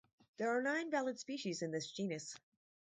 There are nine valid species in this genus.